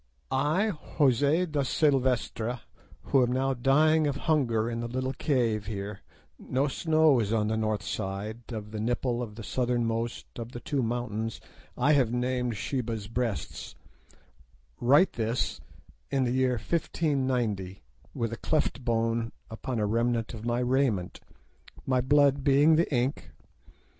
"I, José da Silvestra, who am now dying of hunger in the little cave where no snow is on the north side of the nipple of the southernmost of the two mountains I have named Sheba's Breasts, write this in the year 1590 with a cleft bone upon a remnant of my raiment, my blood being the ink.